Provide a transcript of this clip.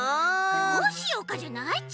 どうしようかじゃないち！